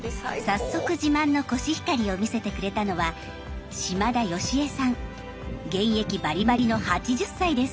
早速自慢のコシヒカリを見せてくれたのは現役バリバリの８０歳です。